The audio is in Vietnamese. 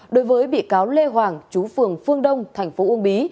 đối với bị cáo lê hoàng chú phường phương đông tp uông bí